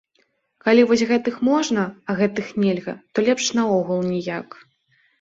Калі вось гэтых можна, а гэтых нельга, то лепш наогул ніяк.